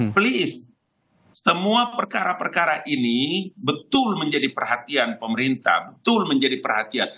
play is semua perkara perkara ini betul menjadi perhatian pemerintah betul menjadi perhatian